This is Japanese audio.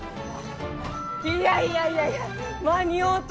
いやいやいやいや間に合うた！